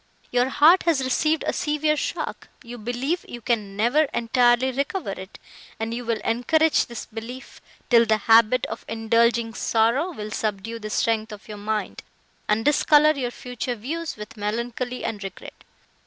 Your heart has received a severe shock; you believe you can never entirely recover it, and you will encourage this belief, till the habit of indulging sorrow will subdue the strength of your mind, and discolour your future views with melancholy and regret.